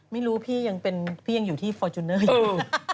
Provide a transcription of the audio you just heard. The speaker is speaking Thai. ไม่รู้พี่ยังอยู่ที่ฟอร์จูนเนอร์อยู่